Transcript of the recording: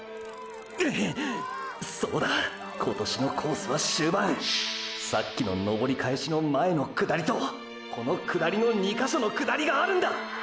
そうだ今年のコースは終盤さっきの登り返しの前の下りとこの下りの２か所の下りがあるんだ！！